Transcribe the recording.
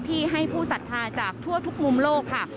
ที่ให้ผู้ศรัทธาจากทั่วทุกมุมโลกค่ะ